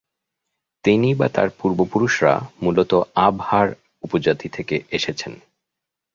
তিনি বা তার পূর্বপুরুষরা মূলত আবহার উপজাতি থেকে এসেছেন।